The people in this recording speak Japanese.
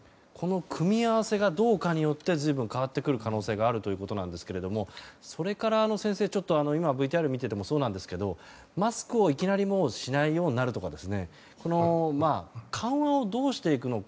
組み合わせがどうかによって随分変わってくる可能性があるということなんですけれどもそれから、今ＶＴＲを見ていてもマスクをいきなりしないようになるとか緩和をどうしていくのか。